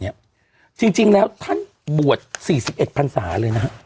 จริงแล้วท่านบวช๔๑พันศาเลยนะฮะ